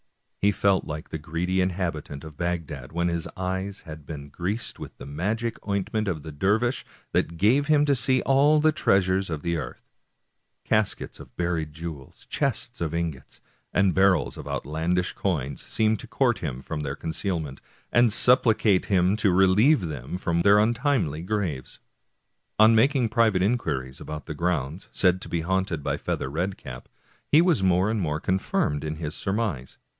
He felt like the greedy inhabitant of Bagdad when his eyes had been greased with the magic ointment of the dervish, that gave him to see all the treasures of the earth,^ Caskets of buried jewels, chests of ingots, and barrels of outlandish coins seemed to court him from their concealments, and supplicate him to relieve them from their untimely graves. On making private inquiries about the grounds said to be haunted by Feather Red cap, he was more and more confirmed in his surmise.